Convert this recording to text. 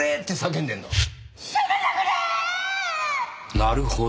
なるほど。